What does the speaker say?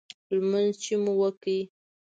لمونځ چې مو وکړ.